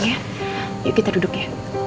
yuk kita duduk ya